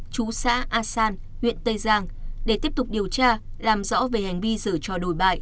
chú xã asan huyện tây giang để tiếp tục điều tra làm rõ về hành vi dở trò đổi bại